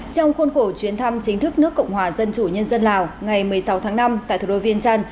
trong khuôn khổ chuyến thăm chính thức nước cộng hòa dân chủ nhân dân lào ngày một mươi sáu tháng năm tại thủ đô viên trăn